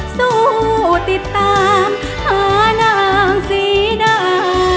สู้ติดตามหานางศรีดา